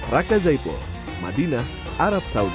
raka zaipul madinah arab saudi